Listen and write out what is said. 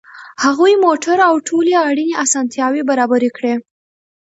هغوی موټر او ټولې اړینې اسانتیاوې برابرې کړې